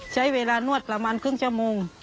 ใช้เวลานวดประมาณครึ่งชั่วโมง